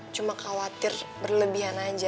cuma khawatir berlebihan aja